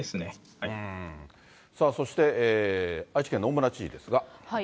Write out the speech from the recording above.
そして、愛知県の大村知事ですが。